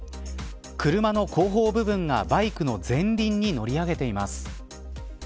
車の後方部分がバイクの前輪に乗り上げています